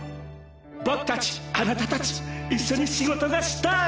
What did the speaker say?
僕たちあなたたち一緒に仕事がしたい。